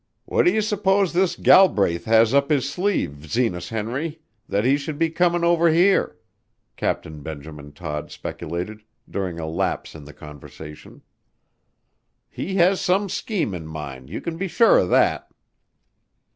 "What do you s'pose this Galbraith has up his sleeve, Zenas Henry, that he should be comin' over here?" Captain Benjamin Todd speculated, during a lapse in the conversation. "He has some scheme in mind, you can be sure of that."